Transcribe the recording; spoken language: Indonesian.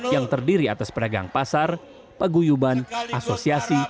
yang terdiri atas pedagang pasar paguyuban asosiasi